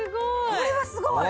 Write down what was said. これはすごい！